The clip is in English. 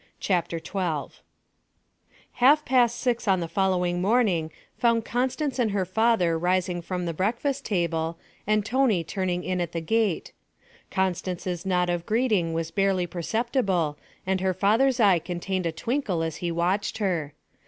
CHAPTER XII Half past six on the following morning found Constance and her father rising from the breakfast table, and Tony turning in at the gate. Constance's nod of greeting was barely perceptible, and her father's eye contained a twinkle as he watched her.